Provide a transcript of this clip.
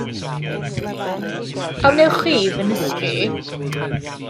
A wnewch chwi fy nysgu i?